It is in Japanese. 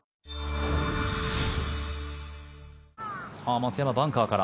松山、バンカーから。